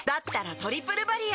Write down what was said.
「トリプルバリア」